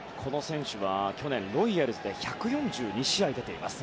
去年ロイヤルズで１４２試合出ています。